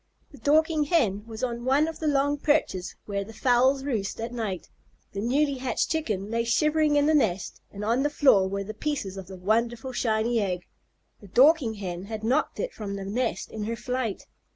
The Dorking Hen was on one of the long perches where the fowls roost at night, the newly hatched Chicken lay shivering in the nest, and on the floor were the pieces of the wonderful shiny egg. The Dorking Hen had knocked it from the nest in her flight.